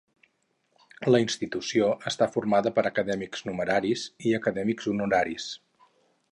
La institució està formada per acadèmics numeraris i acadèmics honoraris.